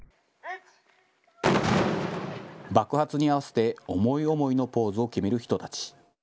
爆発に合わせて思い思いのポーズを決める人たち。